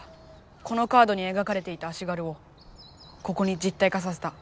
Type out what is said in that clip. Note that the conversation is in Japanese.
このカードにえがかれていた足軽をここに実体化させた。